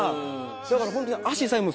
だからホントに。